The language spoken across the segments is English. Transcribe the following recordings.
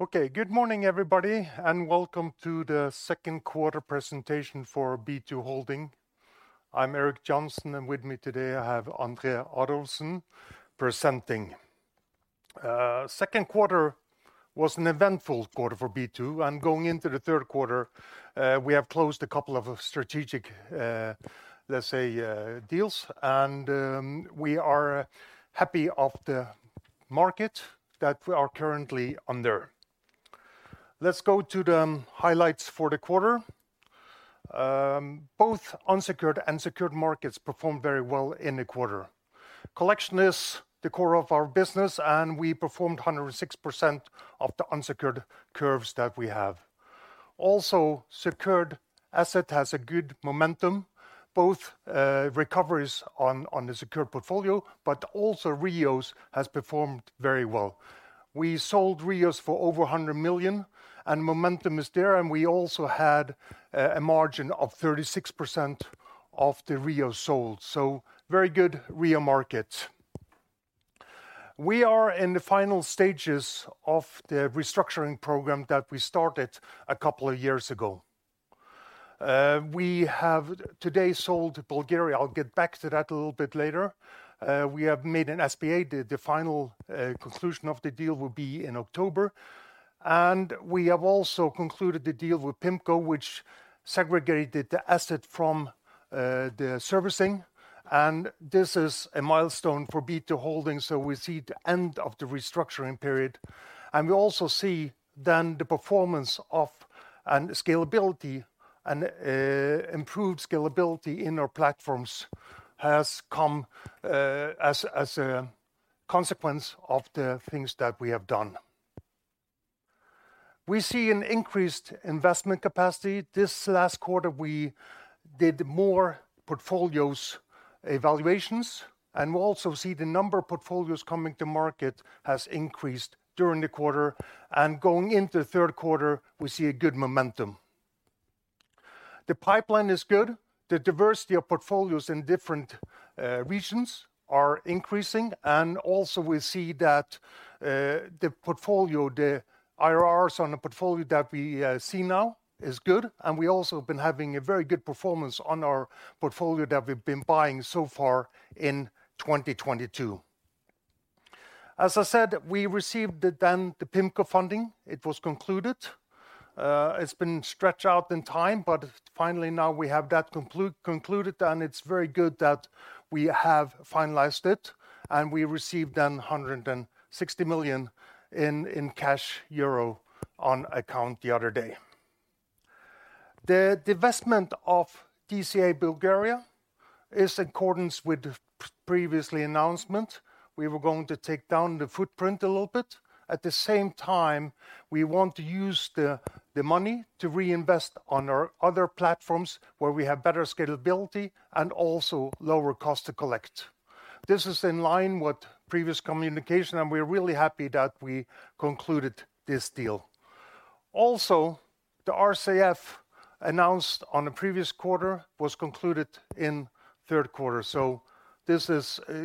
Okay, good morning, everybody, and welcome to the second quarter presentation for B2 Impact. I'm Erik Johnsen, and with me today I have André Adolfsen presenting. Second quarter was an eventful quarter for B2 Impact, and going into the third quarter, we have closed a couple of strategic, let's say, deals and, we are happy of the market that we are currently under. Let's go to the highlights for the quarter. Both unsecured and secured markets performed very well in the quarter. Collection is the core of our business and we performed 106% of the unsecured curves that we have. Also secured asset has a good momentum, both, recoveries on the secured portfolio, but also REOs has performed very well. We sold REOs for over 100 million and momentum is there and we also had a margin of 36% of the REO sold. Very good REO market. We are in the final stages of the restructuring program that we started a couple of years ago. We have today sold Bulgaria. I'll get back to that a little bit later. We have made an SPA. The final conclusion of the deal will be in October. We also concluded the deal with PIMCO which segregated the asset from the servicing and this is a milestone for B2 Impact, so we see the end of the restructuring period. We also see then the performance and scalability and improved scalability in our platforms has come as a consequence of the things that we have done. We see an increased investment capacity. This last quarter we did more portfolio evaluations and we also see the number of portfolios coming to market has increased during the quarter and going into third quarter we see a good momentum. The pipeline is good. The diversity of portfolios in different regions are increasing and also we see that the portfolio, the IRRs on the portfolio that we see now is good and we also have been having a very good performance on our portfolio that we've been buying so far in 2022. As I said, we received the PIMCO funding. It was concluded. It's been stretched out in time, but finally now we have that concluded and it's very good that we have finalized it and we received 160 million in cash euro on account the other day. The divestment of DCA Bulgaria is in accordance with the previous announcement. We were going to tone down the footprint a little bit. At the same time we want to use the money to reinvest in our other platforms where we have better scalability and also lower cost to collect. This is in line with previous communication and we're really happy that we concluded this deal. Also, the RCF announced in the previous quarter was concluded in third quarter. This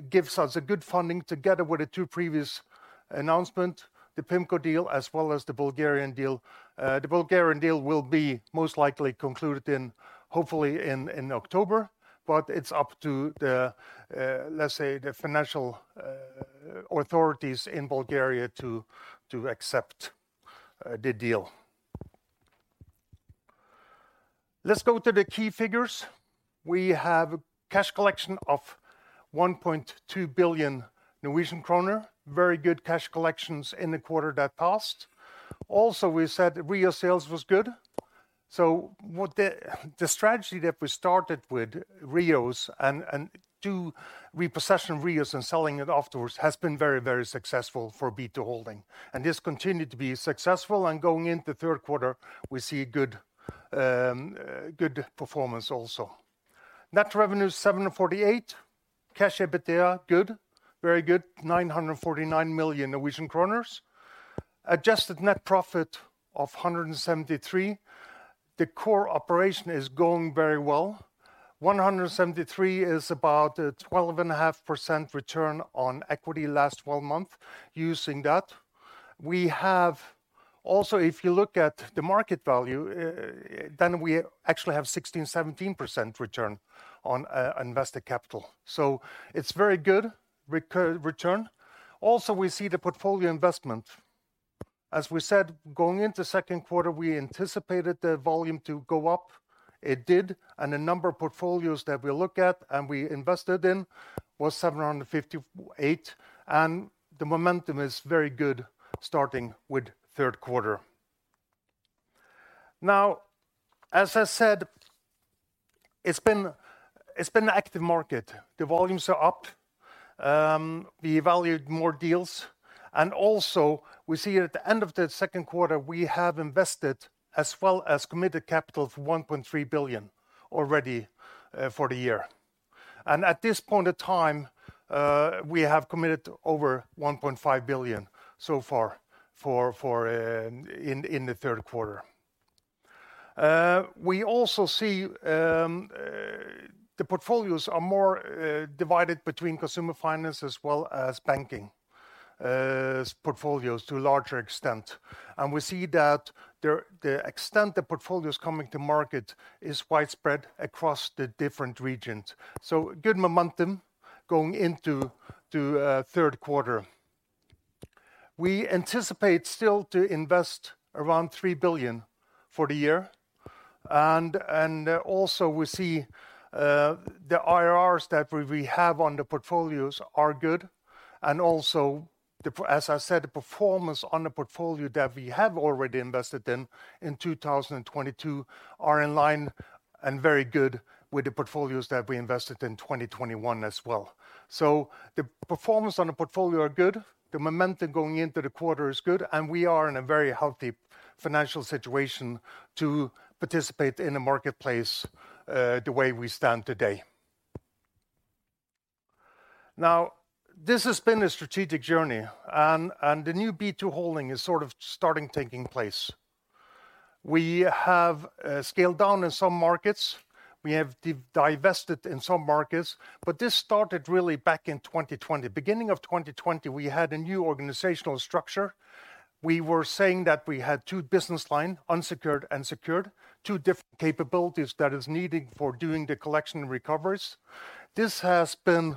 gives us a good funding together with the two previous announcement, the PIMCO deal as well as the Bulgarian deal. The Bulgarian deal will be most likely concluded hopefully in October, but it's up to the, let's say, the financial authorities in Bulgaria to accept the deal. Let's go to the key figures. We have cash collection of 1.2 billion Norwegian kroner. Very good cash collections in the quarter that passed. We said REO sales was good. The strategy that we started with REOs and do repossession REOs and selling it afterwards has been very, very successful for B2 Impact and this continued to be successful and going into third quarter we see good performance also. Net revenue is 748 million. Cash EBITDA good, very good, 949 million Norwegian kroner. Adjusted net profit of 173. The core operation is going very well. 173 is about a 12.5% return on equity last 12 month using that. We have also if you look at the market value, then we actually have 16%, 17% return on invested capital. It's very good return. We see the portfolio investment. As we said, going into second quarter we anticipated the volume to go up. It did, and the number of portfolios that we look at and we invested in was 758 and the momentum is very good starting with third quarter. Now, as I said, it's been an active market. The volumes are up. We valued more deals and also we see at the end of the second quarter we have invested as well as committed capital of 1.3 billion already for the year. At this point of time, we have committed over 1.5 billion so far for in the third quarter. We also see the portfolios are more divided between consumer finance as well as banking as portfolios to a larger extent. We see that the extent the portfolios coming to market is widespread across the different regions. Good momentum going into third quarter. We anticipate still to invest around 3 billion for the year and also we see the IRRs that we have on the portfolios are good and also as I said, the performance on the portfolio that we have already invested in 2022 are in line and very good with the portfolios that we invested in 2021 as well. The performance on the portfolio are good, the momentum going into the quarter is good, and we are in a very healthy financial situation to participate in the marketplace, the way we stand today. Now, this has been a strategic journey and the new B2 Impact is sort of starting taking place. We have scaled down in some markets. We have divested in some markets, but this started really back in 2020. Beginning of 2020, we had a new organizational structure. We were saying that we had two business line, unsecured and secured, two different capabilities that is needed for doing the collection recoveries. This has been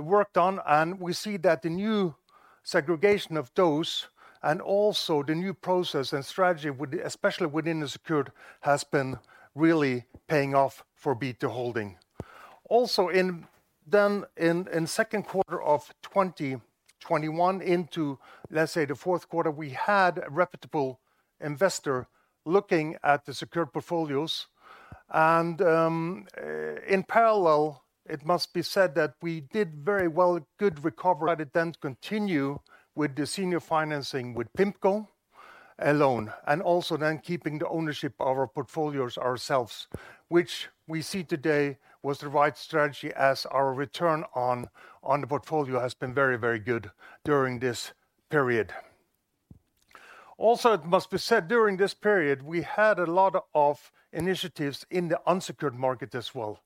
worked on, and we see that the new segregation of those and also the new process and strategy with especially within the secured has been really paying off for B2 Impact. In second quarter of 2021 into, let's say, the fourth quarter, we had reputable investor looking at the secured portfolios and, in parallel, it must be said that we did very good recovery but it then continue with the senior financing with PIMCO alone and also then keeping the ownership of our portfolios ourselves which we see today was the right strategy as our return on the portfolio has been very good during this period. It must be said during this period we had a lot of initiatives in the unsecured market as well.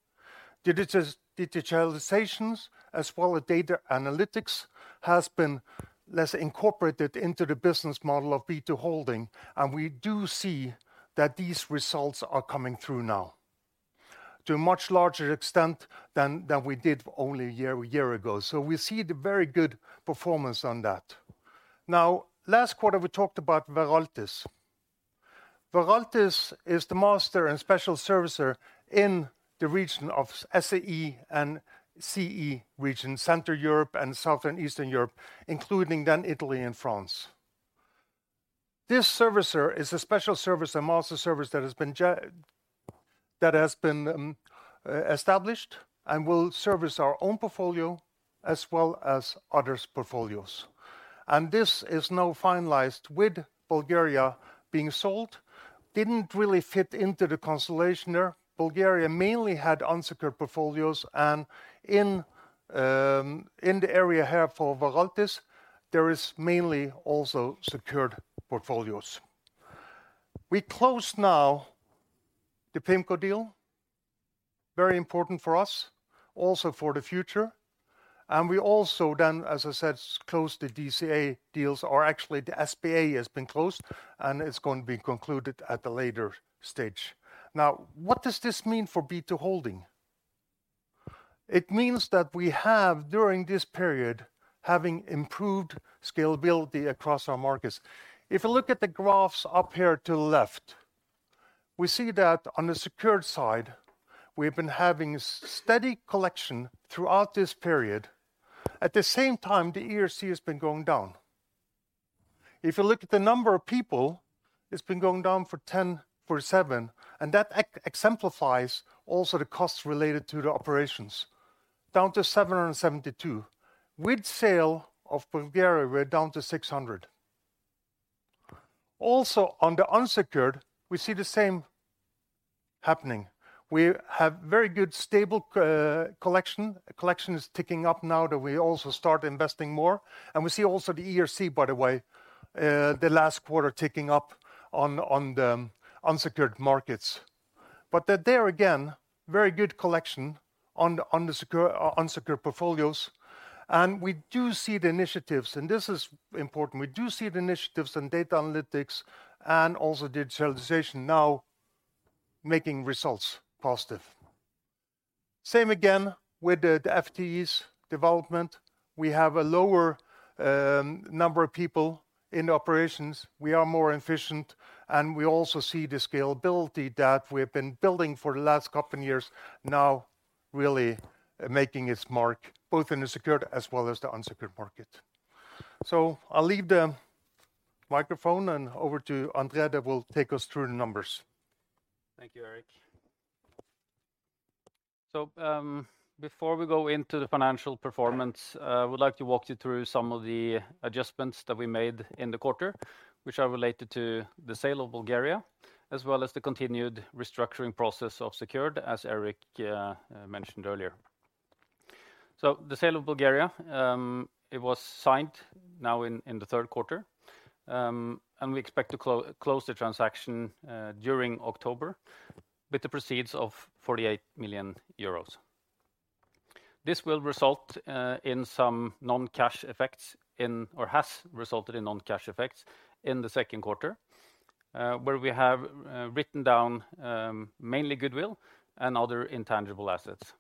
Digitalizations as well as data analytics has been less incorporated into the business model of B2Holding and we do see that these results are coming through now to a much larger extent than we did only a year ago. We see the very good performance on that. Now, last quarter we talked about Veraltis. Veraltis is the master and special servicer in the region of SEE and CE region, Central Europe and South-Eastern Europe including then Italy and France. This servicer is a special servicer and master servicer that has been established and will service our own portfolio as well as others' portfolios and this is now finalized with Bulgaria being sold, didn't really fit into the constellation there. Bulgaria mainly had unsecured portfolios and in the area here for Veraltis there is mainly also secured portfolios. We closed now the PIMCO deal, very important for us also for the future and we also then as I said closed the DCA deals or actually the SPA has been closed and it's going to be concluded at a later stage. Now, what does this mean for B2 Impact? It means that we have during this period having improved scalability across our markets. If you look at the graphs up here to the left we see that on the secured side we've been having steady collection throughout this period. At the same time the ERC has been going down. If you look at the number of people it's been going down from 1,047 and that exemplifies also the costs related to the operations down to 772. With sale of Bulgaria we're down to 600. Also on the unsecured we see the same happening. We have very good stable collection. Collection is ticking up now that we also start investing more and we see also the ERC by the way, the last quarter ticking up on the unsecured markets. Very good collection on the secured, unsecured portfolios and we do see the initiatives and this is important and data analytics and also digitalization now making results positive. Same again with the FTEs development. We have a lower number of people in operations. We are more efficient and we also see the scalability that we've been building for the last couple years now really making its mark both in the secured as well as the unsecured market. I'll leave the microphone and over to André that will take us through the numbers. Thank you, Erik. Before we go into the financial performance, I would like to walk you through some of the adjustments that we made in the quarter which are related to the sale of Bulgaria as well as the continued restructuring process of secured as Erik mentioned earlier. The sale of Bulgaria, it was signed now in the third quarter. We expect to close the transaction during October with the proceeds of 48 million euros. This will result in some non-cash effects or has resulted in non-cash effects in the second quarter, where we have written down mainly goodwill and other intangible assets.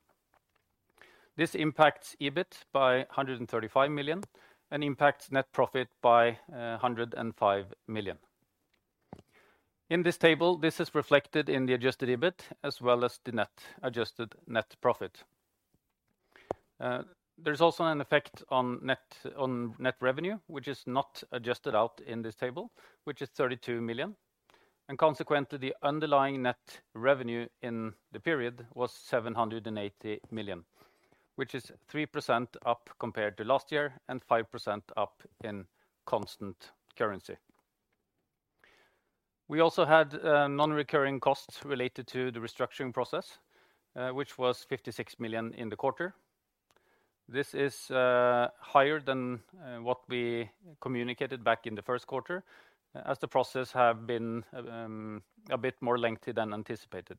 This impacts EBIT by 135 million and impacts net profit by 105 million. In this table, this is reflected in the Adjusted EBIT as well as the adjusted net profit. There's also an effect on net revenue, which is not adjusted out in this table, which is 32 million. Consequently, the underlying net revenue in the period was 780 million, which is 3% up compared to last year and 5% up in constant currency. We also had non-recurring costs related to the restructuring process, which was 56 million in the quarter. This is higher than what we communicated back in the first quarter as the process have been a bit more lengthy than anticipated.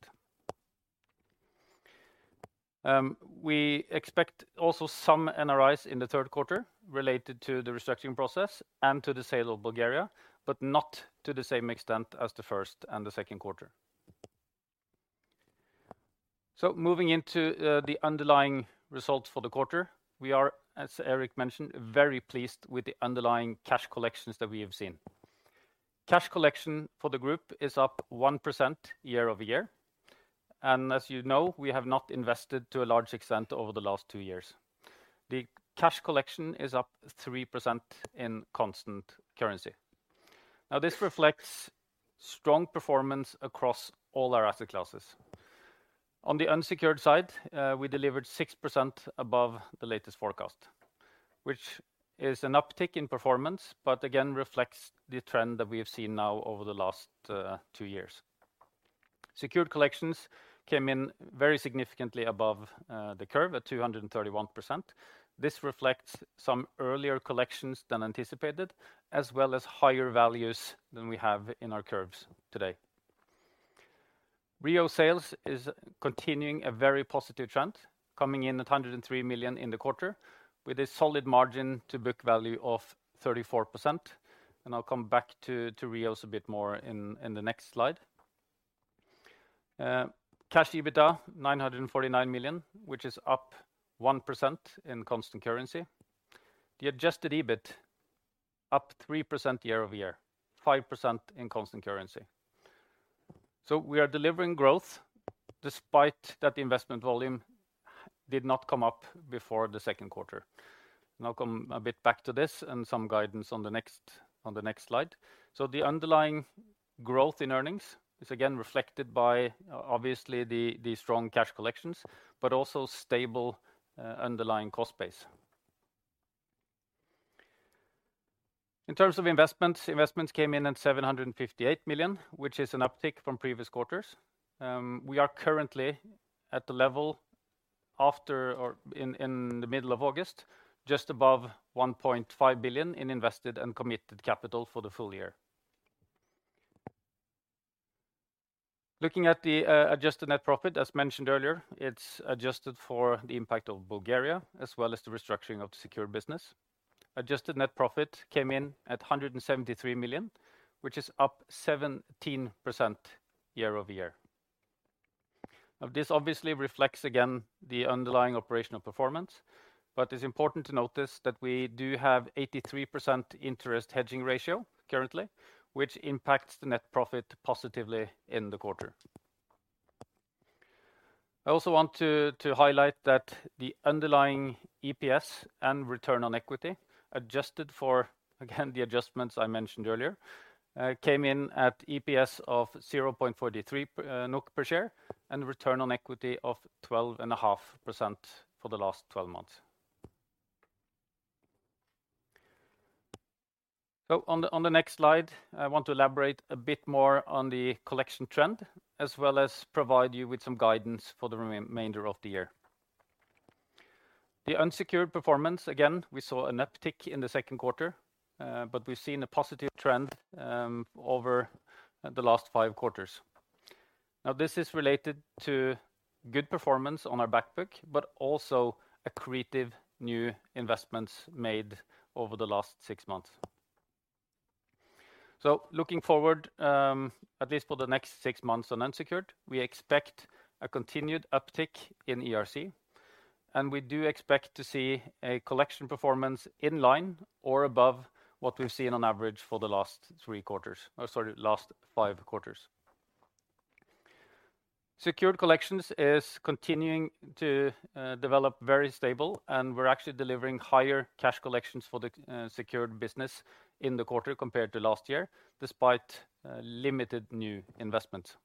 We expect also some NRIs in the third quarter related to the restructuring process and to the sale of Bulgaria, but not to the same extent as the first and the second quarter. Moving into the underlying results for the quarter, we are, as Erik mentioned, very pleased with the underlying cash collections that we have seen. Cash collection for the group is up 1% year-over-year, and as you know, we have not invested to a large extent over the last two years. The cash collection is up 3% in constant currency. Now, this reflects strong performance across all our asset classes. On the unsecured side, we delivered 6% above the latest forecast, which is an uptick in performance, but again reflects the trend that we have seen now over the last two years. Secured collections came in very significantly above the curve at 231%. This reflects some earlier collections than anticipated, as well as higher values than we have in our curves today. REO sales is continuing a very positive trend, coming in at 103 million in the quarter with a solid margin to book value of 34%. I'll come back to REOs a bit more in the next slide. Cash EBITDA 949 million, which is up 1% in constant currency. The Adjusted EBIT up 3% year-over-year, 5% in constant currency. We are delivering growth despite that investment volume did not come up before the second quarter. I'll come a bit back to this and some guidance on the next slide. The underlying growth in earnings is again reflected by obviously the strong cash collections, but also stable underlying cost base. In terms of investments came in at 758 million, which is an uptick from previous quarters. We are currently at the level in the middle of August, just above 1.5 billion in invested and committed capital for the full year. Looking at the adjusted net profit, as mentioned earlier, it's adjusted for the impact of Bulgaria as well as the restructuring of the secured business. Adjusted net profit came in at 173 million, which is up 17% year-over-year. Now, this obviously reflects again the underlying operational performance, but it's important to notice that we do have 83% interest hedging ratio currently, which impacts the net profit positively in the quarter. I also want to highlight that the underlying EPS and return on equity adjusted for, again, the adjustments I mentioned earlier, came in at EPS of 0.43 NOK per share and return on equity of 12.5% for the last 12 months. On the next slide, I want to elaborate a bit more on the collection trend as well as provide you with some guidance for the remainder of the year. The unsecured performance, again, we saw an uptick in the second quarter, but we've seen a positive trend over the last five quarters. Now, this is related to good performance on our back book, but also accretive new investments made over the last six months. Looking forward, at least for the next six months on unsecured, we expect a continued uptick in ERC, and we do expect to see a collection performance in line or above what we've seen on average for the last five quarters. Secured collections is continuing to develop very stable, and we're actually delivering higher cash collections for the secured business in the quarter compared to last year, despite limited new investments.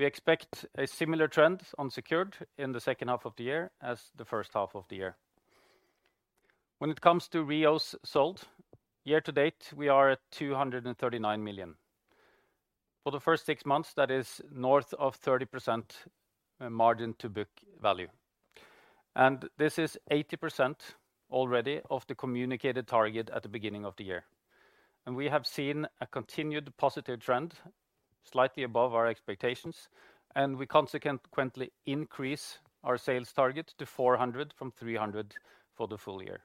We expect a similar trend on secured in the second half of the year as the first half of the year. When it comes to REOs sold, year to date, we are at 239 million. For the first six months, that is north of 30% margin to book value. This is 80% already of the communicated target at the beginning of the year. We have seen a continued positive trend slightly above our expectations, and we consequently increase our sales target to 400 from 300 for the full year.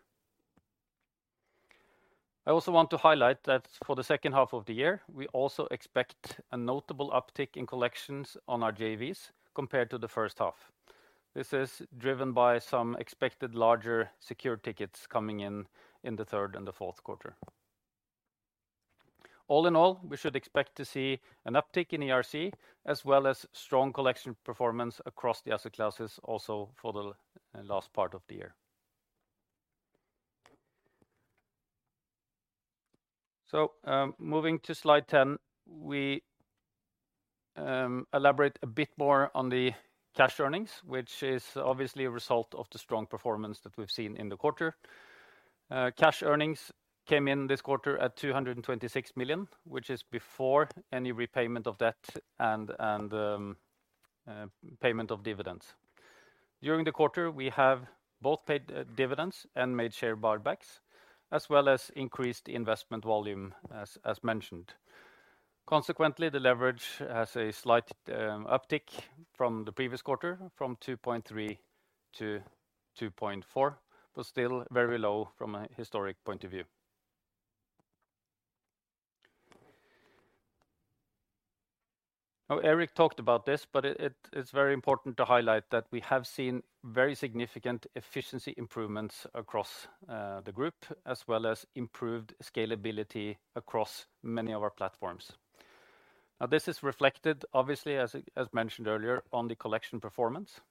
I also want to highlight that for the second half of the year, we also expect a notable uptick in collections on our JVs compared to the first half. This is driven by some expected larger secured tickets coming in the third and fourth quarter. All in all, we should expect to see an uptick in ERC as well as strong collection performance across the asset classes also for the last part of the year. Moving to slide 10, we elaborate a bit more on the cash earnings, which is obviously a result of the strong performance that we've seen in the quarter. Cash earnings came in this quarter at 226 million, which is before any repayment of debt and payment of dividends. During the quarter, we have both paid dividends and made share buybacks, as well as increased investment volume as mentioned. Consequently, the leverage has a slight uptick from the previous quarter, from 2.3-2.4, but still very low from a historic point of view. Now, Erik talked about this, but it is very important to highlight that we have seen very significant efficiency improvements across the group, as well as improved scalability across many of our platforms. Now, this is reflected obviously as mentioned earlier, on the collection performance.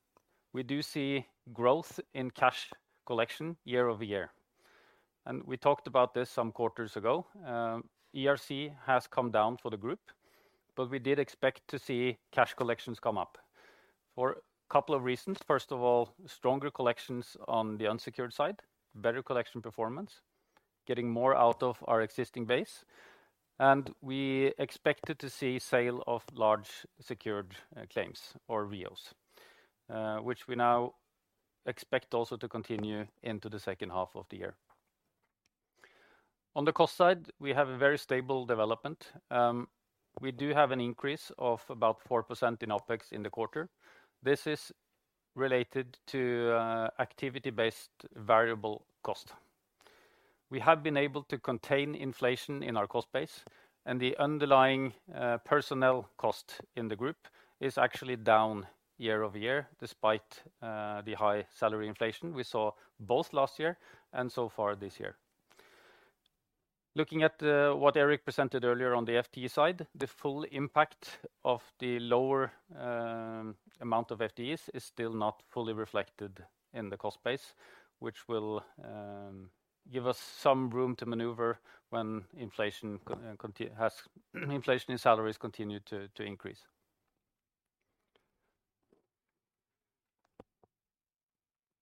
We do see growth in cash collection year-over-year. We talked about this some quarters ago. ERC has come down for the group, but we did expect to see cash collections come up for a couple of reasons. First of all, stronger collections on the unsecured side, better collection performance, getting more out of our existing base. We expected to see sale of large secured claims or REOs, which we now expect also to continue into the second half of the year. On the cost side, we have a very stable development. We do have an increase of about 4% in OpEx in the quarter. This is related to activity based variable cost. We have been able to contain inflation in our cost base and the underlying personnel cost in the group is actually down year-over-year, despite the high salary inflation we saw both last year and so far this year. Looking at what Erik presented earlier on the FTE side, the full impact of the lower amount of FTEs is still not fully reflected in the cost base, which will give us some room to maneuver when inflation in salaries continues to increase.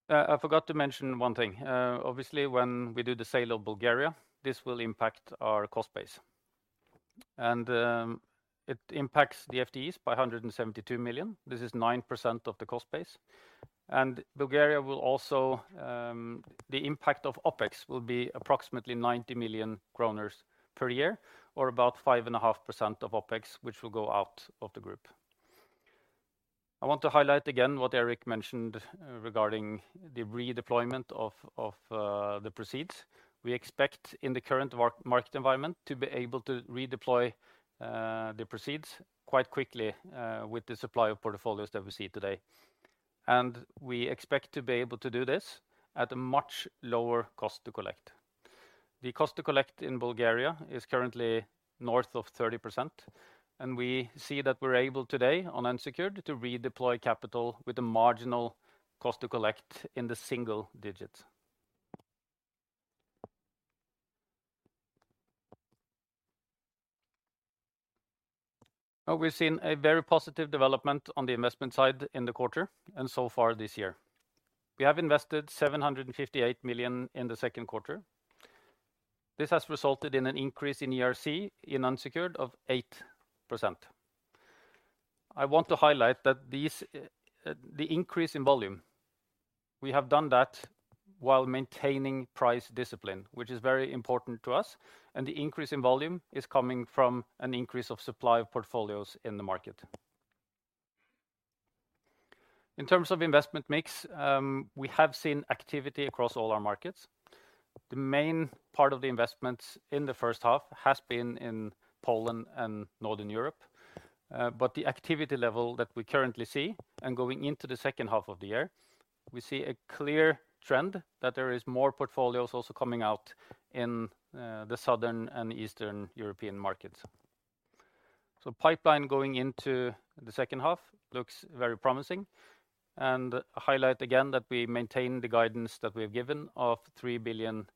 I forgot to mention one thing. Obviously, when we do the sale of Bulgaria, this will impact our cost base. It impacts the FTEs by 172 million. This is 9% of the cost base. Bulgaria will also, the impact of OpEx will be approximately 90 million kroner per year, or about 5.5% of OpEx, which will go out of the group. I want to highlight again what Erik mentioned regarding the redeployment of the proceeds. We expect in the current market environment to be able to redeploy the proceeds quite quickly with the supply of portfolios that we see today. We expect to be able to do this at a much lower cost to collect. The cost to collect in Bulgaria is currently north of 30%, and we see that we're able today on unsecured to redeploy capital with a marginal cost to collect in the single digits. Now, we've seen a very positive development on the investment side in the quarter and so far this year. We have invested 758 million in the second quarter. This has resulted in an increase in ERC in unsecured of 8%. I want to highlight that the increase in volume, we have done that while maintaining price discipline, which is very important to us, and the increase in volume is coming from an increase of supply of portfolios in the market. In terms of investment mix, we have seen activity across all our markets. The main part of the investments in the first half has been in Poland and Northern Europe. The activity level that we currently see and going into the second half of the year, we see a clear trend that there is more portfolios also coming out in the Southern and Eastern European markets. Pipeline going into the second half looks very promising. Highlight again that we maintain the guidance that we have given of 3 billion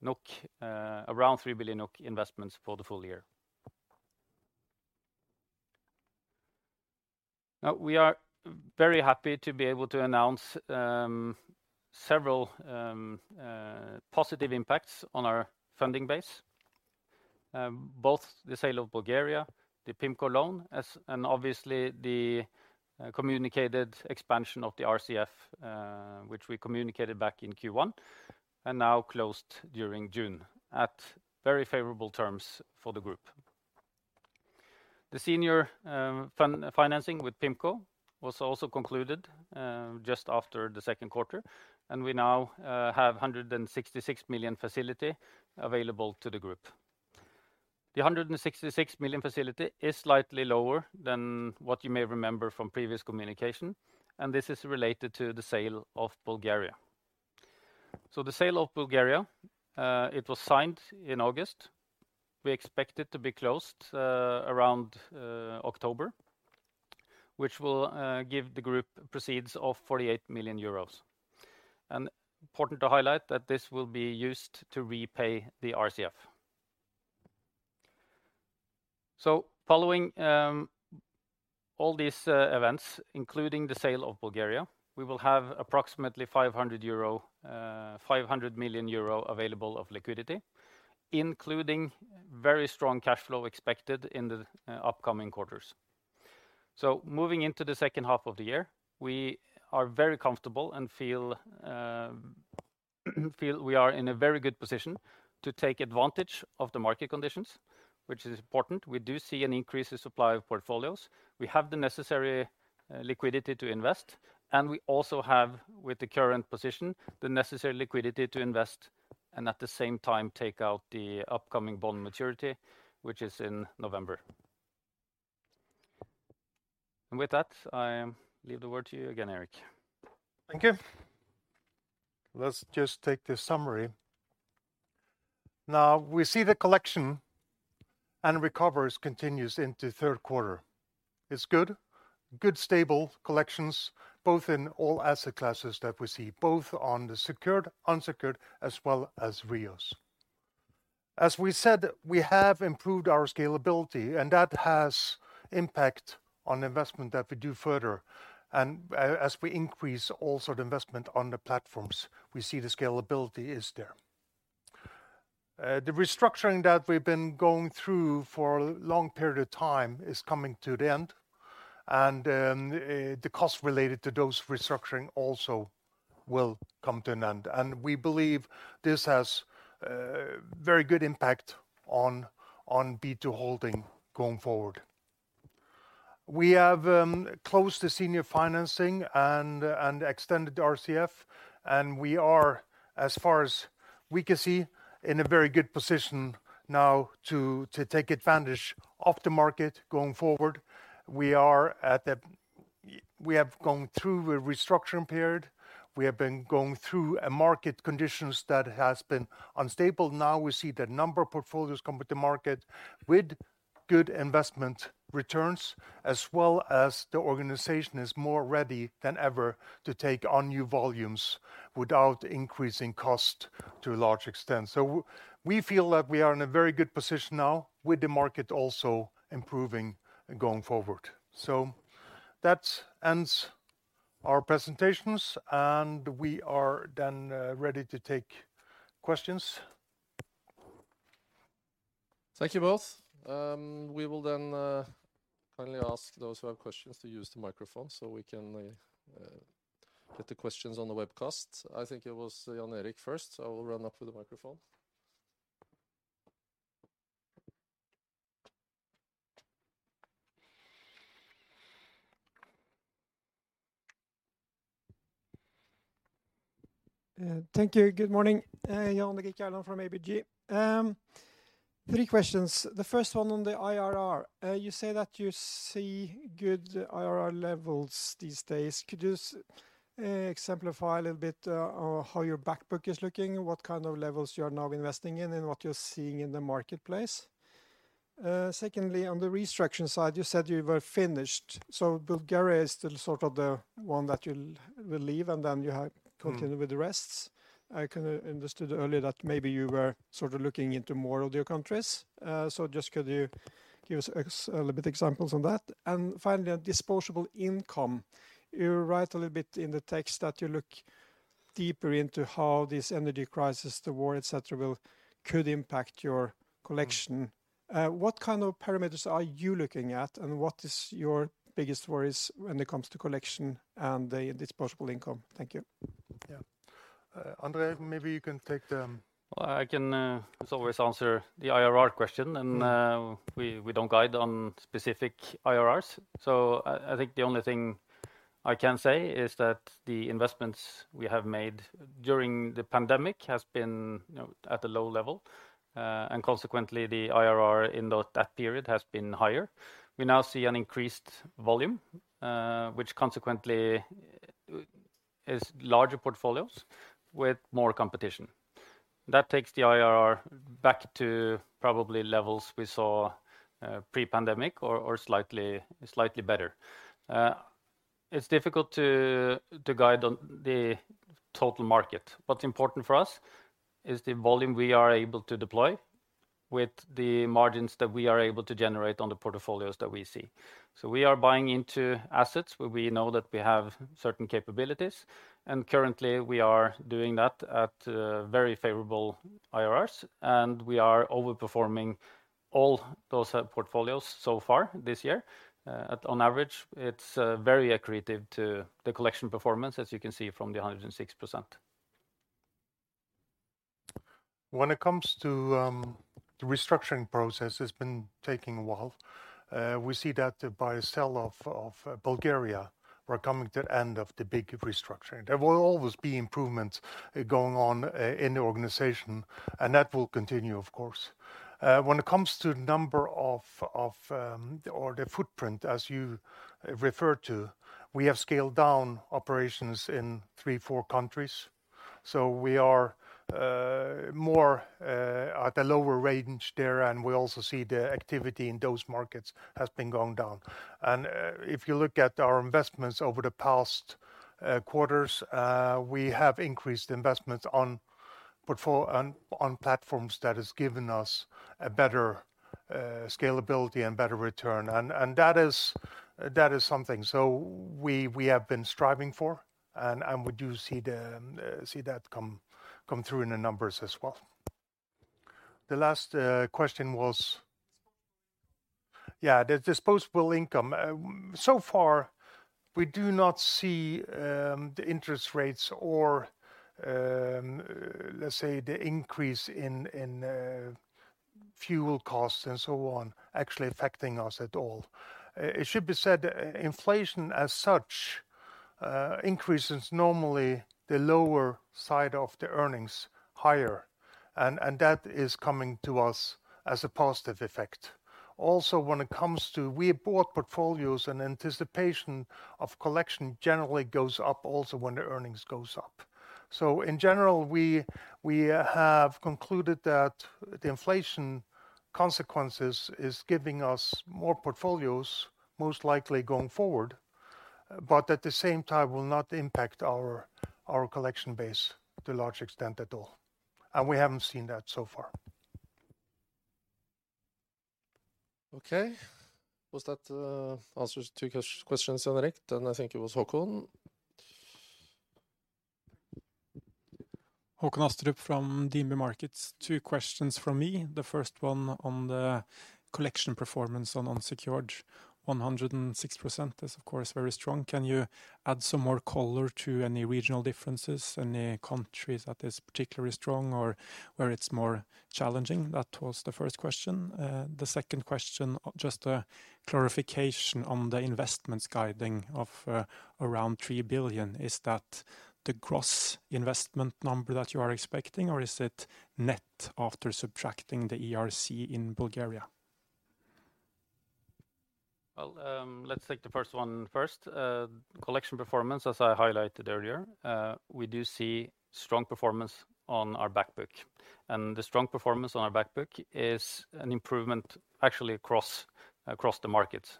NOK, around 3 billion NOK investments for the full year. We are very happy to be able to announce several positive impacts on our funding base. Both the sale of Bulgaria, the PIMCO loan and obviously the communicated expansion of the RCF, which we communicated back in Q1 and now closed during June at very favorable terms for the group. The senior financing with PIMCO was also concluded just after the second quarter, and we now have 166 million facility available to the group. The 166 million facility is slightly lower than what you may remember from previous communication, and this is related to the sale of Bulgaria. The sale of Bulgaria it was signed in August. We expect it to be closed around October, which will give the group proceeds of 48 million euros. Important to highlight that this will be used to repay the RCF. Following all these events, including the sale of Bulgaria, we will have approximately 500 million euro available of liquidity, including very strong cash flow expected in the upcoming quarters. Moving into the second half of the year, we are very comfortable and feel we are in a very good position to take advantage of the market conditions, which is important. We do see an increase in supply of portfolios. We have the necessary liquidity to invest, and we also have, with the current position, the necessary liquidity to invest and at the same time take out the upcoming bond maturity, which is in November. With that, I leave the word to you again, Erik. Thank you. Let's just take the summary. Now, we see the collections and recoveries continue into third quarter. It's good. Good stable collections both in all asset classes that we see, both on the secured, unsecured as well as REOs. As we said, we have improved our scalability and that has impact on investment that we do further and as we increase also the investment on the platforms, we see the scalability is there. The restructuring that we've been going through for a long period of time is coming to the end and the cost related to those restructuring also will come to an end. We believe this has very good impact on B2 Impact going forward. We have closed the senior financing and extended the RCF and we are as far as we can see in a very good position now to take advantage of the market going forward. We have gone through a restructuring period. We have been going through market conditions that has been unstable. Now, we see the number of portfolios coming to the market with good investment returns as well as the organization is more ready than ever to take on new volumes without increasing costs to a large extent. We feel that we are in a very good position now with the market also improving going forward. That ends our presentations and we are ready to take questions. Thank you both. We will then kindly ask those who have questions to use the microphone so we can get the questions on the webcast. I think it was Jan-Erik first, so I will run up with the microphone. Thank you. Good morning. Jan Erik Gjerland from ABG. Three questions. The first one on the IRR. You say that you see good IRR levels these days. Could you exemplify a little bit on how your back book is looking? What kind of levels you are now investing in and what you're seeing in the marketplace? Secondly, on the restructuring side, you said you were finished. Bulgaria is still sort of the one that you will leave and then you have continued with the rest. I kinda understood earlier that maybe you were sort of looking into more of your countries. Just could you give us a little bit examples on that? Finally, on disposable income. You write a little bit in the text that you look deeper into how this energy crisis, the war, et cetera, could impact your collection. What kind of parameters are you looking at and what is your biggest worries when it comes to collection and the disposable income? Thank you. Yeah. André, maybe you can take the- I can as always answer the IRR question and we don't guide on specific IRRs. I think the only thing I can say is that the investments we have made during the pandemic has been you know at a low level and consequently the IRR in that period has been higher. We now see an increased volume which consequently is larger portfolios with more competition. That takes the IRR back to probably levels we saw pre-pandemic or slightly better. It's difficult to guide on the total market. What's important for us is the volume we are able to deploy with the margins that we are able to generate on the portfolios that we see. We are buying into assets where we know that we have certain capabilities, and currently we are doing that at very favorable IRRs, and we are over-performing all those portfolios so far this year. On average, it's very accretive to the collection performance, as you can see from the 106%. When it comes to the restructuring process, it's been taking a while. We see that by sale of Bulgaria, we're coming to the end of the big restructuring. There will always be improvements going on in the organization, and that will continue, of course. When it comes to number of or the footprint as you refer to, we have scaled down operations in 3-4 countries, so we are more at the lower range there, and we also see the activity in those markets has been going down. If you look at our investments over the past quarters, we have increased investments on platforms that has given us a better scalability and better return. That is something so we have been striving for and we do see that come through in the numbers as well. The last question was... Disposable income. Yeah, the disposable income. So far, we do not see the interest rates or, let's say, the increase in fuel costs and so on actually affecting us at all. It should be said inflation as such increases normally the lower side of the earnings higher and that is coming to us as a positive effect. Also, when it comes to we bought portfolios in anticipation of collection generally goes up also when the earnings goes up. In general, we have concluded that the inflation consequences is giving us more portfolios most likely going forward, but at the same time will not impact our collection base to large extent at all, and we haven't seen that so far. Okay. Was that answers to questions, Håkon? I think it was Håkon. Håkon Astrup from DNB Markets. Two questions from me. The first one on the collection performance on unsecured. 106% is, of course, very strong. Can you add some more color to any regional differences? Any countries that is particularly strong or where it's more challenging? That was the first question. The second question, just a clarification on the investments guiding of around 3 billion. Is that the gross investment number that you are expecting, or is it net after subtracting the ERC in Bulgaria? Well, let's take the first one first. Collection performance, as I highlighted earlier, we do see strong performance on our back book. The strong performance on our back book is an improvement actually across the markets.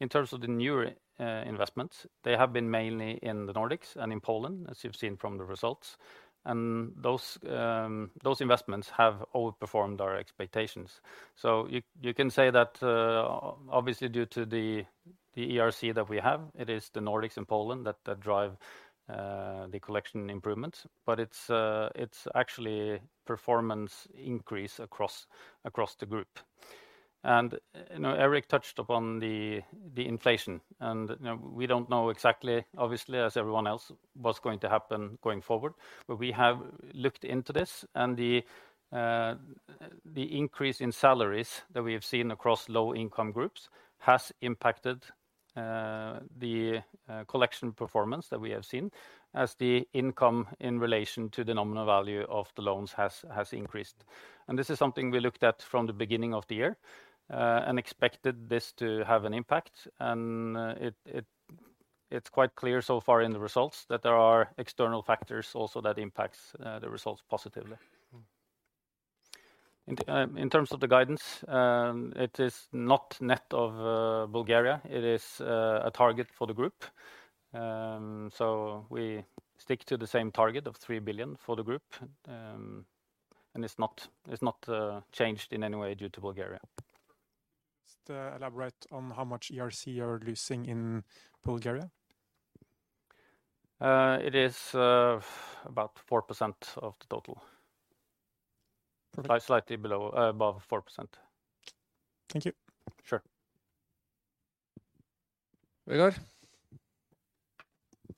In terms of the newer investments, they have been mainly in the Nordics and in Poland, as you've seen from the results. Those investments have outperformed our expectations. You can say that obviously due to the ERC that we have, it is the Nordics and Poland that drive the collection improvements. It's actually performance increase across the group. You know, Erik touched upon the inflation and, you know, we don't know exactly, obviously, as everyone else, what's going to happen going forward. We have looked into this and the increase in salaries that we have seen across low income groups has impacted the collection performance that we have seen as the income in relation to the nominal value of the loans has increased. This is something we looked at from the beginning of the year and expected this to have an impact. It's quite clear so far in the results that there are external factors also that impacts the results positively. In terms of the guidance, it is not net of Bulgaria. It is a target for the group. We stick to the same target of 3 billion for the group. It's not changed in any way due to Bulgaria. Just, elaborate on how much ERC you're losing in Bulgaria? It is about 4% of the total. Perfect. Above 4%. Thank you. Sure. Vegard?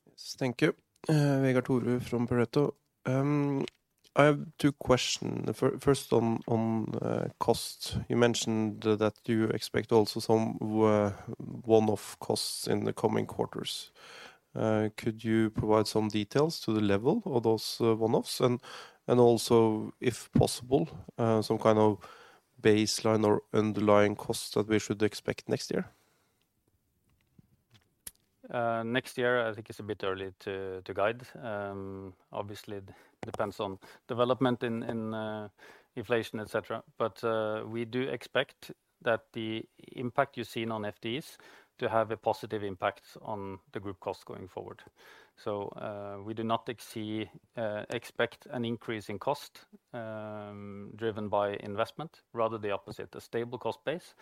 Yes. Thank you. Vegard Toverud from Pareto. I have two question. First on cost. You mentioned that you expect also some one-off costs in the coming quarters. Could you provide some details to the level of those one-offs and also, if possible, some kind of baseline or underlying costs that we should expect next year? Next year, I think it's a bit early to guide. Obviously it depends on development in inflation, et cetera. We do expect that the impact you're seeing on FDs to have a positive impact on the group costs going forward. We expect an increase in cost driven by investment, rather the opposite. A stable cost base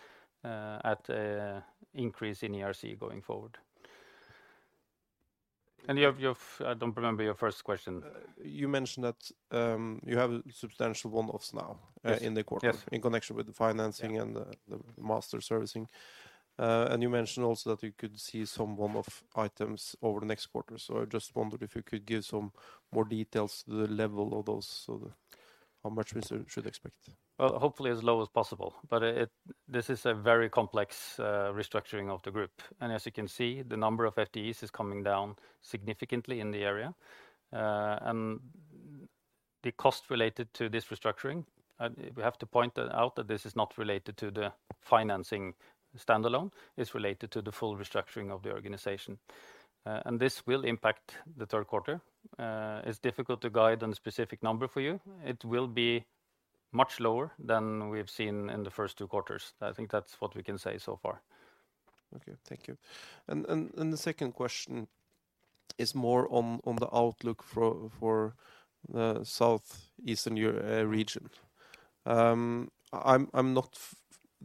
at an increase in ERC going forward. I don't remember your first question. You mentioned that you have substantial one-offs now. Yes. In the quarter. Yes. In connection with the financing and the master servicing. You mentioned also that you could see some one-off items over the next quarter. I just wondered if you could give some more details, the level of those so that how much we should expect. Hopefully as low as possible. This is a very complex restructuring of the group. As you can see, the number of FTEs is coming down significantly in the area. The cost related to this restructuring, we have to point out that this is not related to the financing standalone. It's related to the full restructuring of the organization. This will impact the third quarter. It's difficult to guide on a specific number for you. It will be much lower than we've seen in the first two quarters. I think that's what we can say so far. Okay. Thank you. The second question is more on the outlook for the South-Eastern Europe region. I'm not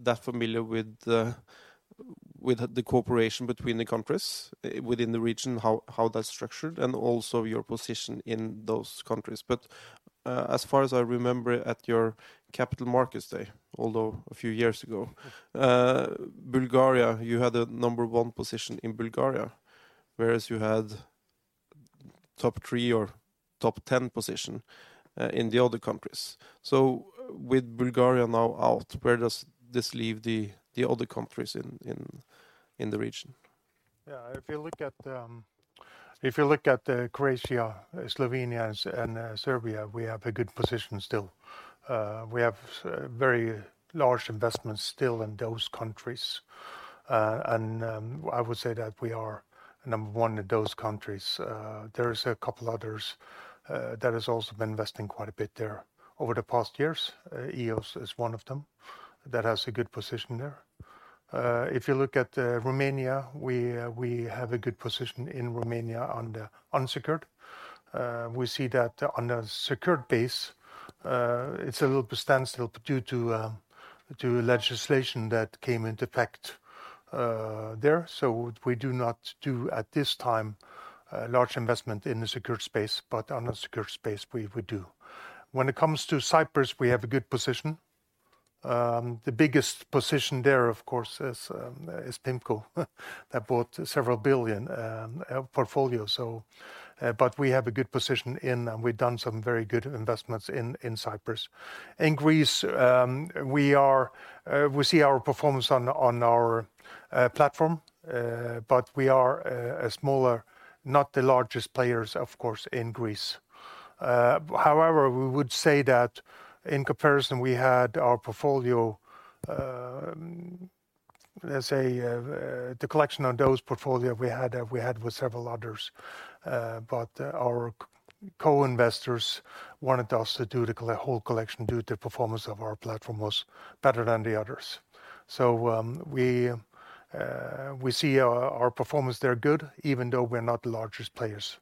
that familiar with the cooperation between the countries within the region, how that's structured, and also your position in those countries. As far as I remember at your Capital Markets Day, although a few years ago, Bulgaria, you had a number one position in Bulgaria, whereas you had top three or top 10 position in the other countries. With Bulgaria now out, where does this leave the other countries in the region? If you look at Croatia, Slovenia, and Serbia, we have a good position still. We have very large investments still in those countries. I would say that we are number one in those countries. There is a couple others that has also been investing quite a bit there over the past years. EOS is one of them that has a good position there. If you look at Romania, we have a good position in Romania on the unsecured. We see that on a secured basis, it's a little bit standstill due to legislation that came into effect there. We do not do at this time a large investment in the secured space, but on the unsecured space, we do. When it comes to Cyprus, we have a good position. The biggest position there, of course, is PIMCO that bought several billion NOK portfolio. We have a good position in and we've done some very good investments in Cyprus. In Greece, we see our performance on our platform. We are a smaller, not the largest players, of course, in Greece. However, we would say that in comparison, we had our portfolio, let's say, the collection on those portfolio we had with several others. Our co-investors wanted us to do the whole collection due to performance of our platform was better than the others. We see our performance there good, even though we're not the largest players.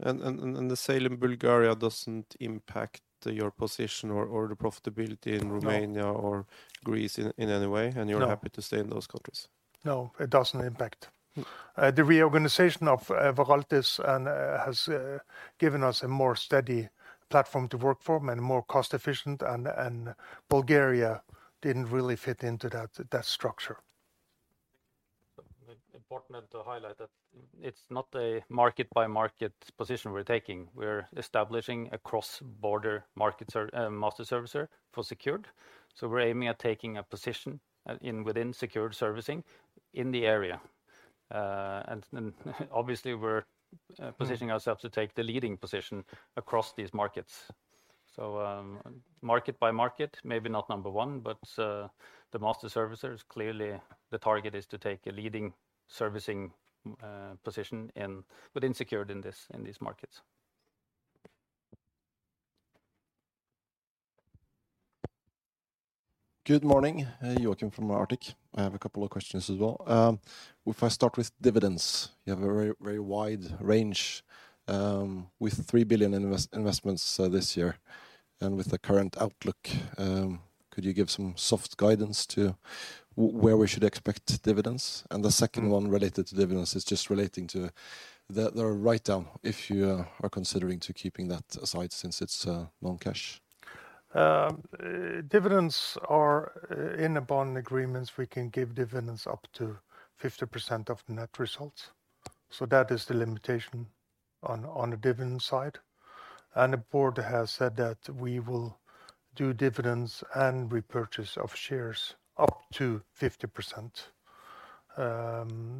The sale in Bulgaria doesn't impact your position or the profitability in Romania. No. Or Greece in any way? No. You're happy to stay in those countries? No, it doesn't impact. Mm. The reorganization of Veraltis has given us a more steady platform to work from and more cost efficient, and Bulgaria didn't really fit into that structure. Important to highlight that it's not a market by market position we're taking. We're establishing a cross-border master servicer for secured. We're aiming at taking a position within secured servicing in the area. Obviously we're positioning ourselves to take the leading position across these markets. Market by market, maybe not number one, but the master servicer is clearly the target is to take a leading servicing position within secured in these markets. Good morning. Joakim from Arctic Securities. I have a couple of questions as well. If I start with dividends, you have a very, very wide range, with 3 billion investments, this year. With the current outlook, could you give some soft guidance to where we should expect dividends? The second one related to dividends is just relating to the write-down, if you are considering to keeping that aside since it's non-cash. Dividends are in the bond agreements, we can give dividends up to 50% of the net results. That is the limitation on the dividend side. The board has said that we will do dividends and repurchase of shares up to 50%.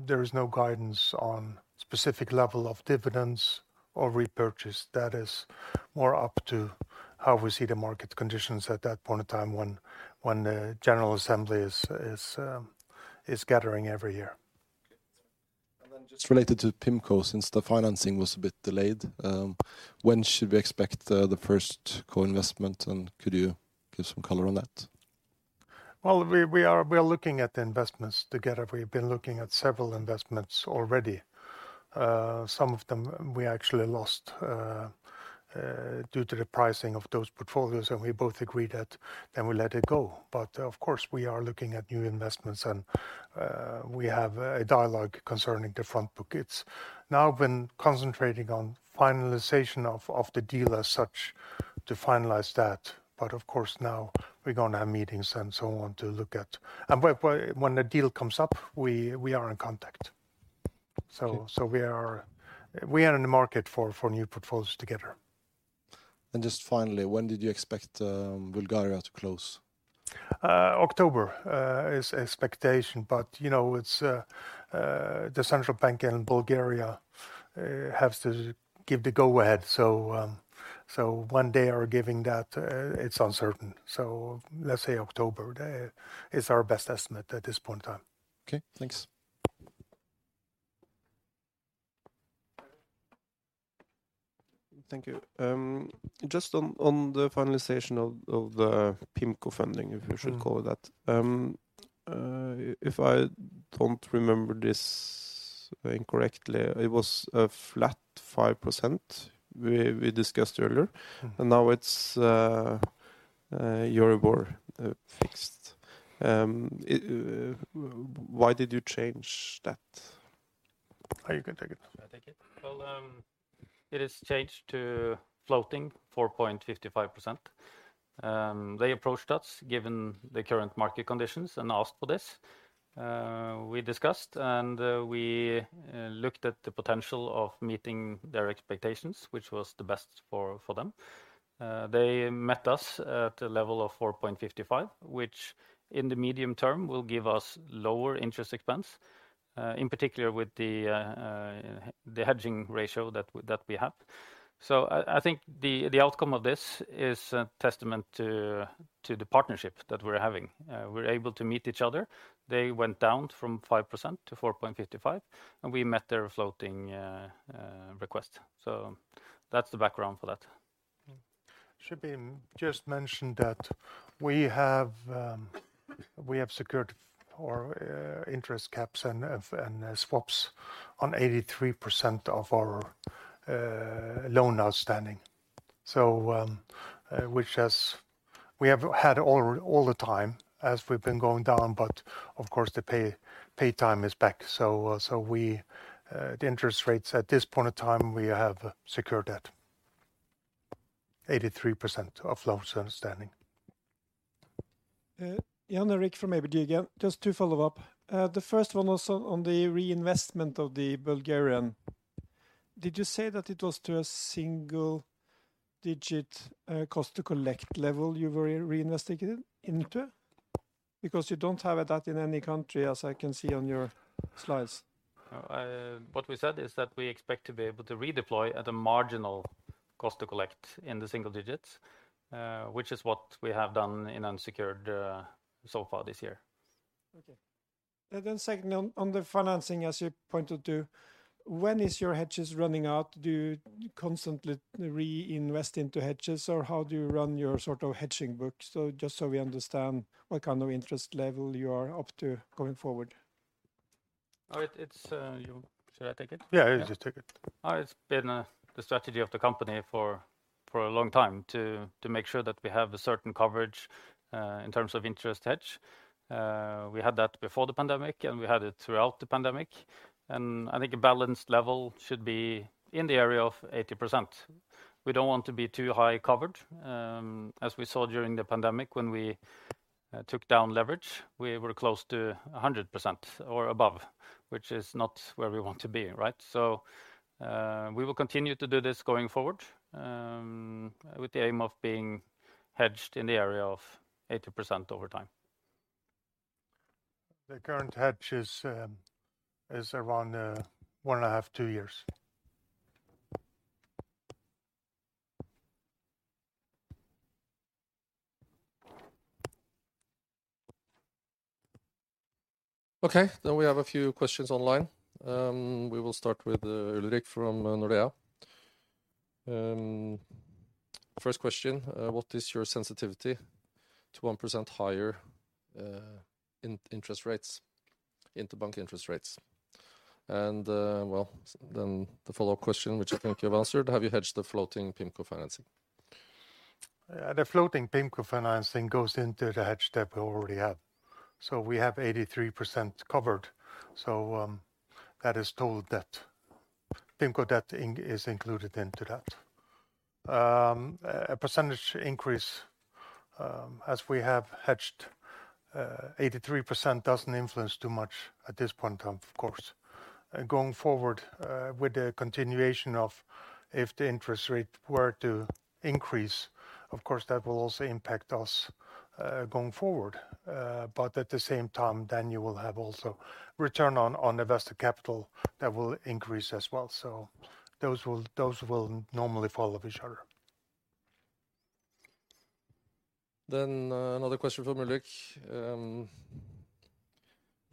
There is no guidance on specific level of dividends or repurchase. That is more up to how we see the market conditions at that point in time when the general assembly is gathering every year. Okay. Just related to PIMCO, since the financing was a bit delayed, when should we expect the first co-investment, and could you give some color on that? Well, we are looking at the investments together. We've been looking at several investments already. Some of them we actually lost due to the pricing of those portfolios, and we both agreed that then we let it go. Of course, we are looking at new investments and we have a dialogue concerning the front book. It's now been concentrating on finalization of the deal as such to finalize that. Of course, now we're gonna have meetings and so on to look at. When the deal comes up, we are in contact. Okay. We are in the market for new portfolios together. Just finally, when did you expect Bulgaria to close? October is the expectation, but you know, the Central Bank in Bulgaria has to give the go-ahead. When they are giving that, it's uncertain. Let's say October is our best estimate at this point in time. Okay, thanks. Thank you. Just on the finalization of the PIMCO funding, if we should call it that. If I don't remember this incorrectly, it was a flat 5% we discussed earlier. Mm-hmm. Now it's Euribor fixed. Why did you change that? Oh, you can take it. Should I take it? Well, it has changed to floating 4.55%. They approached us given the current market conditions and asked for this. We discussed and we looked at the potential of meeting their expectations, which was the best for them. They met us at a level of 4.55, which in the medium term will give us lower interest expense, in particular with the hedging ratio that we have. I think the outcome of this is a testament to the partnership that we're having. We're able to meet each other. They went down from 5% to 4.55%, and we met their floating request. That's the background for that. Should be just mentioned that we have secured our interest caps and swaps on 83% of our loans outstanding. Which we have had all the time as we've been going down, but of course, the payback time is back. The interest rates at this point in time, we have secured that. 83% of loans outstanding. Jan Erik from ABG again. Just to follow up. The first one was on the reinvestment of the Bulgarian. Did you say that it was to a single digit cost to collect level you were reinvesting into? Because you don't have that in any country as I can see on your slides. No. What we said is that we expect to be able to redeploy at a marginal cost to collect in the single digits, which is what we have done in unsecured so far this year. Okay. Secondly, on the financing, as you pointed to, when is your hedges running out? Do you constantly reinvest into hedges, or how do you run your sort of hedging book? Just so we understand what kind of interest level you are up to going forward. Oh, it's you. Should I take it? Yeah. Yeah. You take it. It's been the strategy of the company for a long time to make sure that we have a certain coverage in terms of interest hedge. We had that before the pandemic, and we had it throughout the pandemic. I think a balanced level should be in the area of 80%. We don't want to be too high covered. As we saw during the pandemic when we took down leverage, we were close to 100% or above, which is not where we want to be, right? We will continue to do this going forward with the aim of being hedged in the area of 80% over time. The current hedge is around 1.5-2 years. Okay. We have a few questions online. We will start with Ulrich from Nordea. First question, what is your sensitivity to 1% higher interest rates, interbank interest rates? Well, the follow-up question, which I think you've answered, have you hedged the floating PIMCO financing? The floating PIMCO financing goes into the hedge that we already have. We have 83% covered. That is total debt. PIMCO debt is included into that. A percentage increase, as we have hedged, 83% doesn't influence too much at this point in time, of course. Going forward, with the continuation of if the interest rate were to increase, of course, that will also impact us, going forward. At the same time, then you will have also return on invested capital that will increase as well. Those will normally follow each other. Another question from Ulrich, which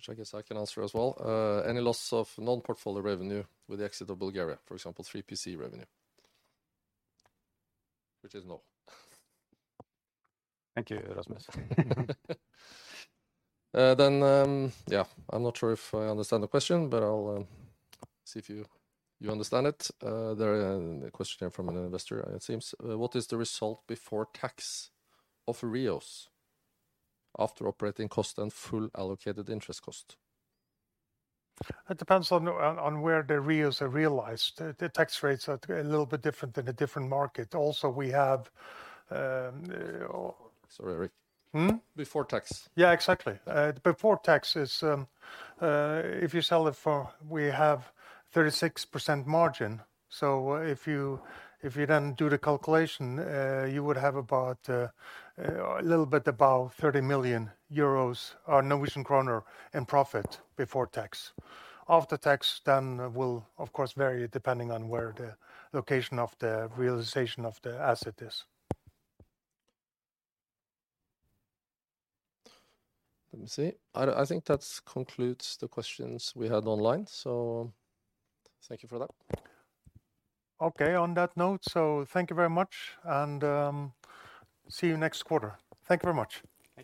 I guess I can answer as well. Any loss of non-portfolio revenue with the exit of Bulgaria? For example, 3PC revenue. Which is no. Thank you, Rasmus. I'm not sure if I understand the question, but I'll see if you understand it. There's a question from an investor, it seems. What is the result before tax of REOs after operating cost and fully allocated interest cost? It depends on where the REOs are realized. The tax rates are a little bit different in a different market. Also, we have... Sorry, Erik. Hmm? Before tax. Yeah, exactly. Before tax is if you sell it for. We have 36% margin. If you then do the calculation, you would have about a little bit above 30 million euros or Norwegian kroner in profit before tax. After tax then will of course vary depending on where the location of the realization of the asset is. Let me see. I think that concludes the questions we had online, so thank you for that. Okay. On that note, thank you very much and, see you next quarter. Thank you very much.